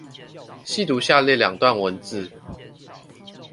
細讀下列兩段文字